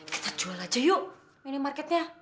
kita jual aja yuk minimarketnya